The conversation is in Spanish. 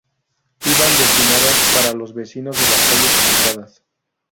Iban destinadas para los vecinos de las calles afectadas.